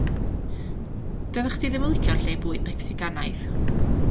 Doeddach chdi ddim yn licio'r lle bwyd Mecsicanaidd?